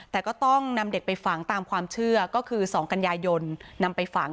แต่ก็ต้องนำเด็กไปฝังตามความเชื่อก็คือ๒กันยายนนำไปฝัง